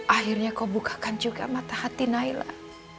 akhirnya kau bukakan juga mata hati naila